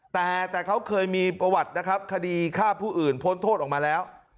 แต่เขาเคยมีประวัตินะครับคดีฆ่าผู้อื่นพ้นโทษออกมาแล้ว